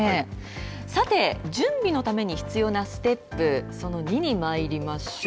さて準備のために必要なステップその２にまいりましょう。